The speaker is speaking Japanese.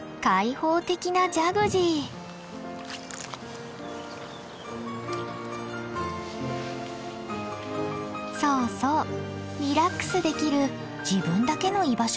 そうそうリラックスできる自分だけの居場所も大切よね。